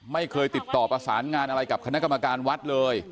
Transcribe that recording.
ไม่เคยติดต่อประสานงานอะไรกับคณะกรรมการวัดเลย